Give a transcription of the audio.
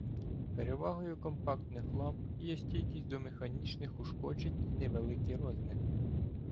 Перевагою компактних ламп є стійкість до механічних ушкоджень і невеликі розміри.